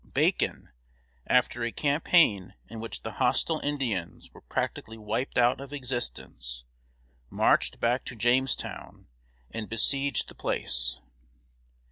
Bacon, after a campaign in which the hostile Indians were practically wiped out of existence, marched back to Jamestown and besieged the place.